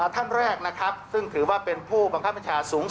ท่านแรกนะครับซึ่งถือว่าเป็นผู้บังคับบัญชาสูง